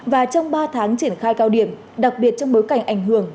và trong ba tháng triển khai cao điểm đặc biệt trong bối cảnh ảnh hưởng